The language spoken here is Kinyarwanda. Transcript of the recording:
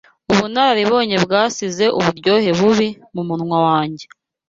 Ubunararibonye bwansize uburyohe bubi mumunwa wanjye.